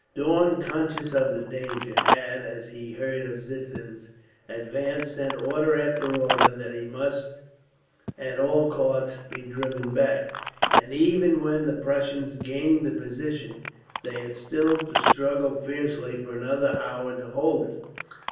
Daun, conscious of the danger, had, as he heard of Ziethen's advance, sent order after order that he must at all costs be driven back; and even when the Prussians gained the position, they had still to struggle fiercely for another hour to hold it.